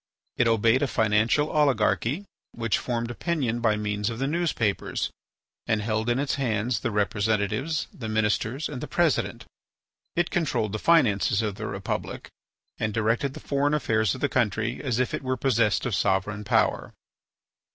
It obeyed a financial oligarchy which formed opinion by means of the newspapers, and held in its hands the representatives, the ministers, and the president. It controlled the finances of the republic, and directed the foreign affairs of the country as if it were possessed of sovereign power.